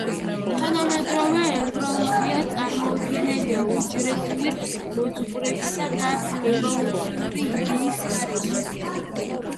თანამედროვე ემბრიოლოგია წარმოუდგენელია უჯრედული მოძღვრებისა და ევოლუციური იდეის გარეშე.